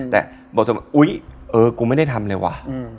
แต่บทส่วนบนอุ๊ยเออกูไม่ได้ทำเลยวะ